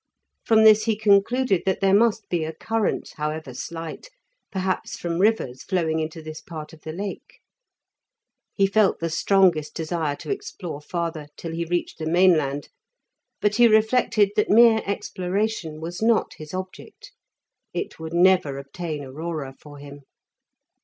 From this he concluded that there must be a current, however slight, perhaps from rivers flowing into this part of the Lake. He felt the strongest desire to explore farther till he reached the mainland, but he reflected that mere exploration was not his object; it would never obtain Aurora for him.